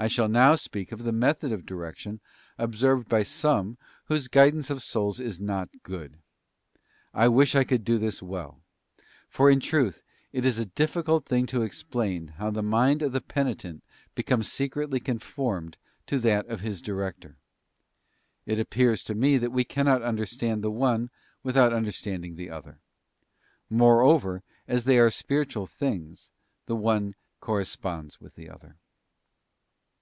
I shall now speak of the method of direction observed by some whose guidance of souls is not good. I wish I could do this well; for, in truth, it is a difficult thing i to explain how the mind of the penitent becomes secretly conformed to that of his director. It appears to me that mina we cannot understand the one without understanding the other. Moreover, as they are spiritual things, the one cor responds with the other.